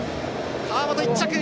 川本、１着！